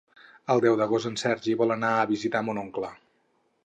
El deu d'agost en Sergi vol anar a visitar mon oncle.